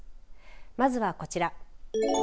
まずはこちら。